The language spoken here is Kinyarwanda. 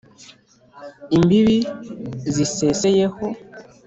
imbibi ziseseyeho,